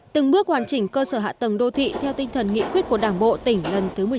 từng bước hoàn chỉnh cơ sở hạ tầng đô thị theo tinh thần nghị quyết của đảng bộ tỉnh lần thứ một mươi chín